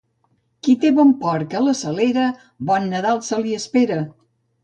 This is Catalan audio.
Qui té bon porc a la salera, bon Nadal se li espera.